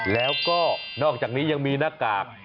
แล้วก็นอกจากนี้ยังมีหน้ากาก